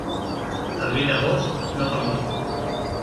El vi d'agost no fa most.